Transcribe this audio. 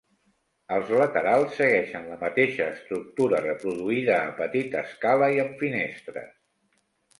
Els laterals segueixen la mateixa estructura reproduïda a petita escala i amb finestres.